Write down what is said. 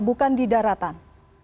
bukan di daratan